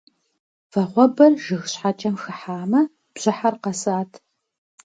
Вагъуэбэр жыг щхьэкӏэм хыхьамэ бжьыхьэр къэсат.